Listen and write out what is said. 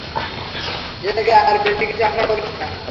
এর থেকে আর বেশি কিছু আশা করিস না।